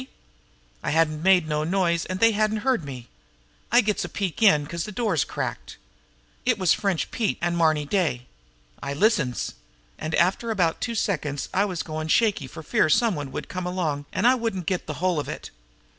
I hadn't made no noise, an' they hadn't heard me. I gets a peek in, 'cause the door's cracked. It was French Pete an' Marny Day. I listens. An' after about two seconds I was goin' shaky for fear some one would come along an' I wouldn't get the whole of it.